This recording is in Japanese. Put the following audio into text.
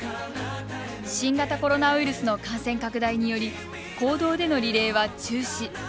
新型コロナウイルスの感染拡大により公道でのリレーは中止。